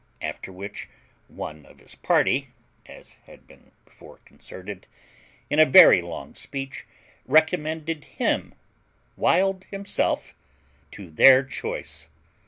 After which, one of his party, as had been before concerted, in a very long speech recommended him (Wild himself) to their choice.